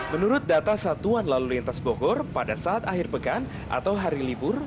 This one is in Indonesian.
menurut data satuan lalu lintas bogor pada saat akhir pekan atau hari libur